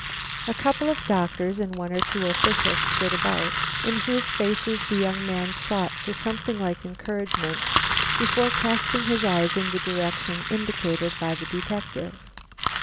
A couple of doctors and one or two officials stood about, in whose faces the young man sought for something like encouragement before casting his eyes in the direction indicated by the detective.